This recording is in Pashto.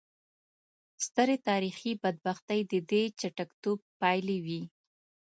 سترې تاریخي بدبختۍ د دې چټک ټوپ پایلې وې.